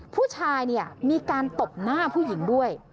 ผู้ชายเนี่ยมีการตบหน้าผู้หญิงด้วย